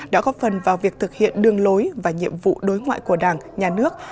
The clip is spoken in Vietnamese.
đã góp phần vào việc thực hiện đường lối và nhiệm vụ đối ngoại của đảng nhà nước